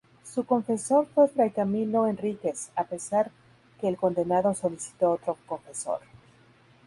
Su confesor fue fray Camilo Henríquez, a pesar que el condenado solicitó otro confesor.